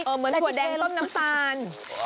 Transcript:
เหมือนสัตว์แดงต้มน้ำซาน